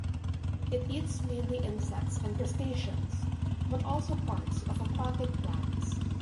It eats mainly insects and crustaceans, but also parts of aquatic plants.